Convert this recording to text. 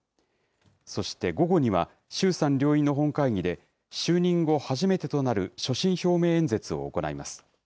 そして午後には、衆参両院の本会議で、就任後初めてとなる所信表明演説を行います。